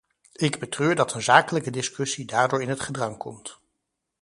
Ik betreur dat een zakelijke discussie daardoor in het gedrang komt.